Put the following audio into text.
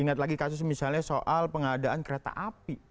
ingat lagi kasus misalnya soal pengadaan kereta api